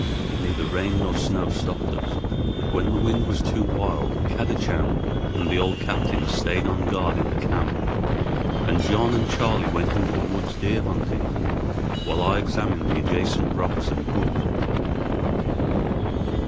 Neither rain nor snow stopped us, but when the wind was too wild, Kadachan and the old captain stayed on guard in the camp and John and Charley went into the woods deer hunting, while I examined the adjacent rocks and woods.